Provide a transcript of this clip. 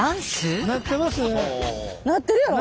なってるやろ？